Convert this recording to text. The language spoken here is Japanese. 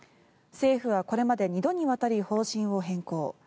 政府はこれまで２度にわたり方針を変更。